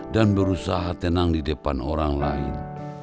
dan berusaha tenang di depan orang lain